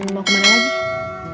mau ke mana lagi